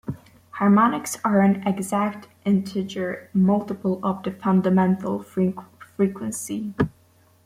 Harmonics are an exact integer multiple of the fundamental frequency.